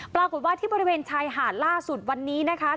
ปรากฏว่าที่บริเวณชายหาดล่าสุดวันนี้นะคะ